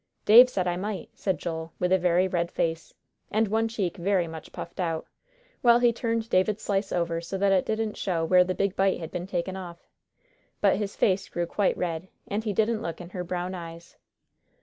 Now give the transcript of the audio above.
"Dave said I might," said Joel, with a very red face, and one cheek very much puffed out, while he turned David's slice over so that it didn't show where the big bite had been taken off. But his face grew quite red, and he didn't look in her brown eyes.